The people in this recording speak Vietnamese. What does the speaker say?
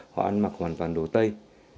họ ăn mặc hoàn toàn đồ tây